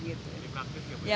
ini praktis gak